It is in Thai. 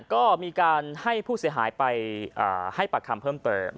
ก็มีการให้ผู้เสียหายไปให้ปากคำเพิ่มเติม